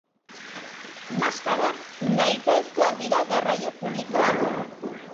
Maskarak nahitaezkoak dira garraio publikoan.